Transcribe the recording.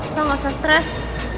lo gak usah stress